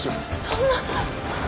そんな。